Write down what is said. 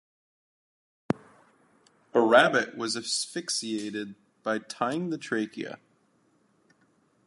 A rabbit was asphyxiated by tying the trachea.